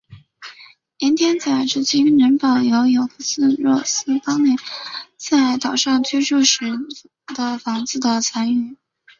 盐田仔至今仍保有福若瑟当年在岛上居住时的房子的残余。